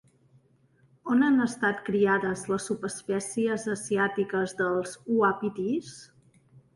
On han estat criades les subespècies asiàtiques dels uapitís?